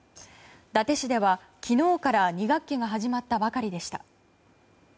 伊達市では昨日から２学期が始まったばかりでした。